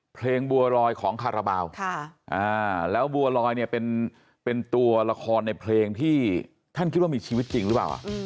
เพลงบัวรอยของคาราบาลแล้วบัวลอยเนี่ยเป็นตัวละครในเพลงที่ท่านคิดว่ามีชีวิตจริงหรือเปล่า